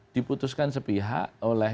diputuskan sepihak oleh